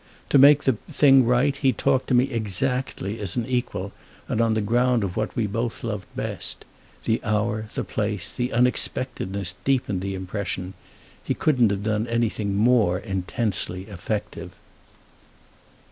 To make the thing right he talked to me exactly as an equal and on the ground of what we both loved best. The hour, the place, the unexpectedness deepened the impression: he couldn't have done anything more intensely effective.